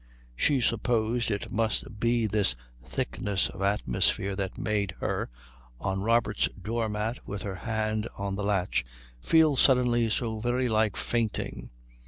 She supposed it must be this thickness of atmosphere that made her, on Robert's doormat with her hand on the latch, feel suddenly so very like fainting.